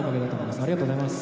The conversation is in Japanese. ありがとうございます。